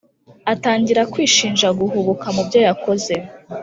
atangira kwishinja guhubuka mubyo yakoze